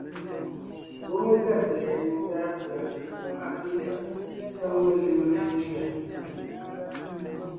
Ngwɔ́ mé gʉa tsɛ̀ɛ tsìŋe ndá pʉ̀a Ngwòŋ Aflíka sáŋ melʉŋé méntʉ́a: